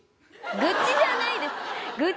愚痴じゃないです！